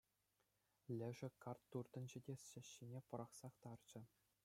Лешӗ карт туртӑнчӗ те ҫӗҫҫине пӑрахсах тарчӗ.